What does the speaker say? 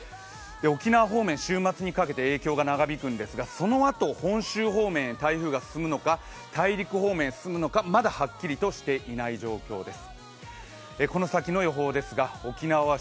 沖縄方面週末にかけて影響が長引くんですがそのあと本州方面へ台風が進むのか、大陸方面へ進むのか、まだはっきりとしていない状況です。